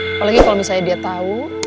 apalagi kalau misalnya dia tahu